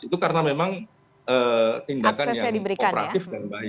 itu karena memang tindakan yang kooperatif dan baik